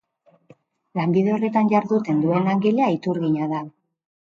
Lanbide horretan jarduten duen langilea iturgina da.